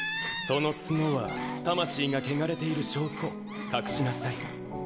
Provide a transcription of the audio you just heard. ・その角は魂が汚れている証拠隠しなさい